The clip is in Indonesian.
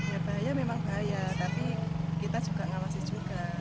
ya bahaya memang bahaya tapi kita juga ngawasi juga